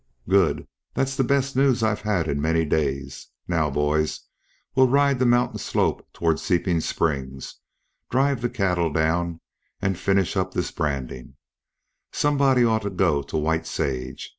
"Good! That's the best news I've had in many a day. Now, boys, we'll ride the mountain slope toward Seeping Springs, drive the cattle down, and finish up this branding. Somebody ought to go to White Sage.